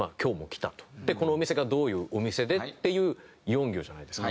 このお店がどういうお店でっていう４行じゃないですか。